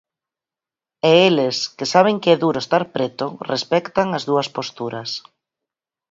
E eles, que saben que é duro estar preto, respectan as dúas posturas.